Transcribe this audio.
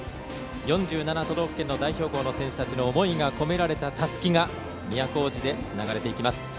４７都道府県の代表校の選手たちの思いが込められた、たすきが都大路でつながれていきます。